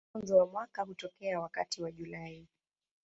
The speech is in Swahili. Mwanzo wa mwaka hutokea wakati wa Julai.